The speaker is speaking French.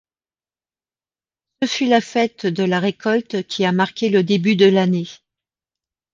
Ce fut la fête de la récolte, qui a marqué le début de l'année.